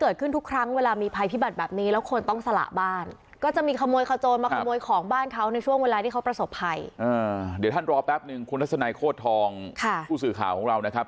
เดี๋ยวท่านรอแป๊บนึงคุณทัศนัยโคตรทองผู้สื่อข่าวของเรานะครับ